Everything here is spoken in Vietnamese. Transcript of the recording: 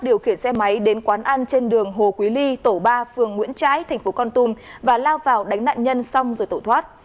điều khiển xe máy đến quán ăn trên đường hồ quý ly tổ ba phường nguyễn trái thành phố con tum và lao vào đánh nạn nhân xong rồi tổ thoát